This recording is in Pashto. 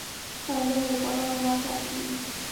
کاناډا د لیکوالانو ملاتړ کوي.